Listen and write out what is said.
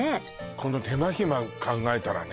この手間暇考えたらね